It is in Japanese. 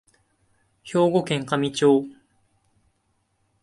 兵庫県香美町